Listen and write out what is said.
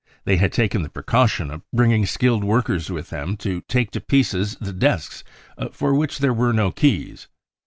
They had taken the precaution of bringing skilled workers with them to take to pieces the desks for which there were no keys.